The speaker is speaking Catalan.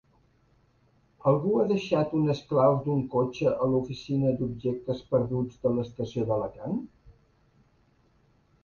Algú ha deixat unes claus d'un cotxe a l'oficina d'objectes perduts de l'estació d'Alacant?